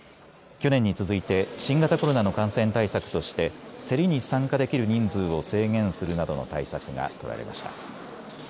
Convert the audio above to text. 去年に続いて新型コロナの感染対策として競りに参加できる人数を制限するなどの対策が取られました。